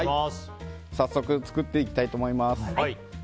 早速、作っていきたいと思います。